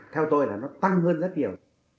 theo tôi là nó tăng hơn rất nhiều